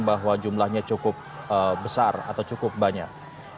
bahwa jumlahnya cukup besar atau cukup banyak